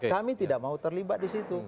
kami tidak mau terlibat di situ